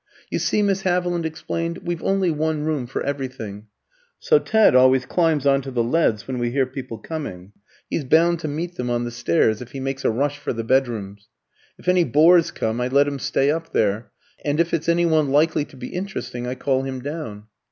"You see," Miss Haviland explained, "we've only one room for everything; so Ted always climbs on to the leads when we hear people coming he's bound to meet them on the stairs, if he makes a rush for the bedrooms. If any bores come, I let him stay up there; and if it's any one likely to be interesting, I call him down."